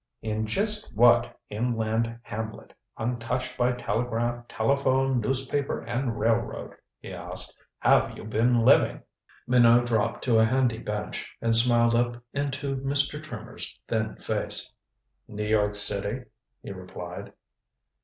"In just what inland hamlet, untouched by telegraph, telephone, newspaper and railroad," he asked, "have you been living?" Minot dropped to a handy bench, and smiled up into Mr. Trimmer's thin face. "New York City," he replied.